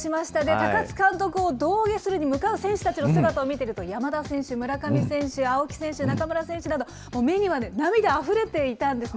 高津監督を胴上げするのに向かう選手の姿を見てると、山田選手、村上選手、青木選手、中村選手など、もう目にはね、涙があふれていたんですね。